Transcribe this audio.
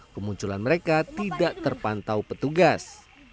kemunculan mereka tidak terpantau petugas